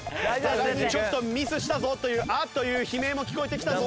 ちょっとミスしたぞという「ああーっ！」という悲鳴も聞こえてきたぞ。